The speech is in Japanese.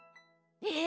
え？